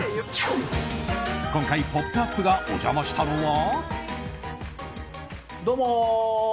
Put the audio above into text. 今回「ポップＵＰ！」がお邪魔したのは。